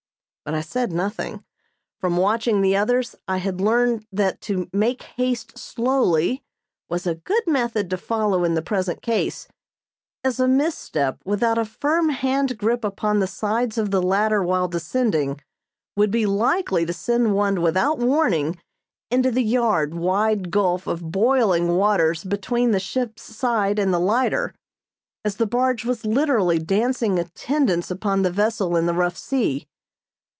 But I said nothing. From watching the others I had learned that to "make haste slowly" was a good method to follow in the present case, as a misstep without a firm hand grip upon the sides of the ladder while descending would be likely to send one without warning into the yard wide gulf of boiling waters between the ship's side and the lighter, as the barge was literally dancing attendance upon the vessel in the rough sea.